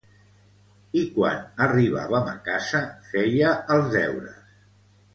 I quan arribàvem a casa, feia els deures.